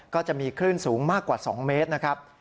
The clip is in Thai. ก็จะมีคลื่นสูงมากกว่า๒เมตรนะครับ